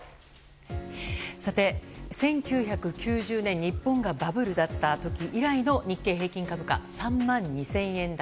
１９９０年日本がバブルだった時以来の日経平均株価３万２０００円台。